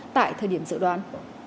tại thời điểm dự đoán